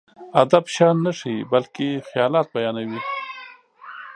ادب شيان نه ښيي، بلکې خيالات بيانوي.